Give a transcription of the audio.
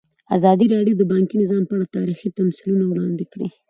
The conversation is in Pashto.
ازادي راډیو د بانکي نظام په اړه تاریخي تمثیلونه وړاندې کړي.